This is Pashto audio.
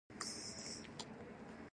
پوخ عمر تجربه راوړي